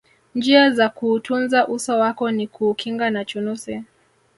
njia za kuutunza uso wako ni kuukinga na chunusi